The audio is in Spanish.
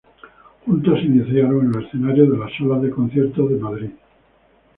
Juntos se iniciaron en los escenarios de las salas de conciertos de Madrid.